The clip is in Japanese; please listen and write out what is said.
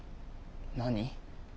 何？